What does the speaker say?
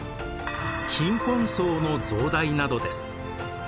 貧困層の増大などです。